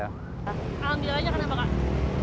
alhamdulillah aja kenapa kak